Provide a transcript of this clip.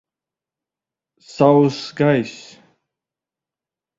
Sauss gaiss.